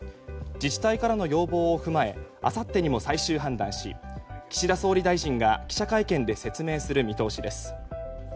自治体からの要望を踏まえあさってにも最終判断し岸田総理大臣が記者会見で説明する見通しです。